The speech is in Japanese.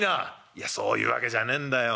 「いやそういうわけじゃねえんだよ。